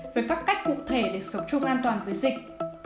với các cách cụ thể để sống chung an toàn với dịch